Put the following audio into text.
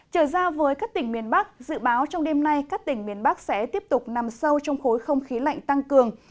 trở ra với các tỉnh miền bắc dự báo trong đêm nay các tỉnh miền bắc sẽ tiếp tục nằm sâu trong khối không khí lạnh tăng cường